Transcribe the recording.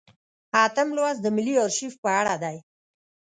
اتم لوست د ملي ارشیف په اړه دی.